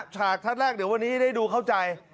ฉากทัศน์แรกเดี๋ยววันนี้ได้ดูเข้าใจ